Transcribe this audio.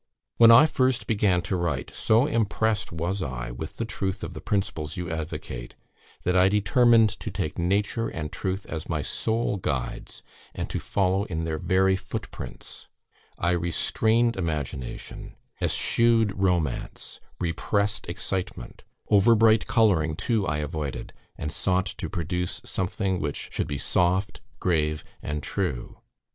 When I first began to write, so impressed was I with the truth of the principles you advocate, that I determined to take Nature and Truth as my sole guides, and to follow in their very footprints; I restrained imagination, eschewed romance, repressed excitement; over bright colouring, too, I avoided, and sought to produce something which should be soft, grave, and true.